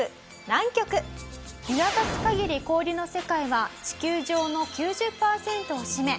見渡す限り氷の世界は地球上の９０パーセントを占め。